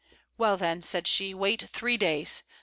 'Well, then,' said she, 'wait three days.